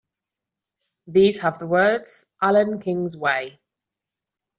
These have the words Allan Kings Way.